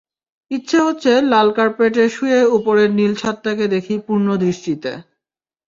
ইচ্ছে হচ্ছে লাল কার্পেটে শুয়ে ওপরের নীল ছাদটাকে দেখি পূর্ণ দৃষ্টিতে।